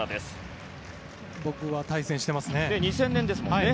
僕は、対戦していますね。